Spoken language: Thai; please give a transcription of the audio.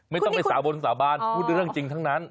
ไม่ต้องไปสาบนสาบานพูดเรื่องจริงทั้งนั้น